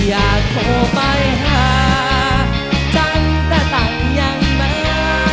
อยากโทรไปหาจังแต่ตังค์ยังไหม